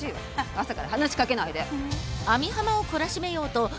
朝から話しかけないで。